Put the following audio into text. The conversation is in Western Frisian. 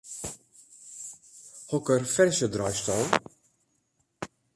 Hokker ferzje draaisto?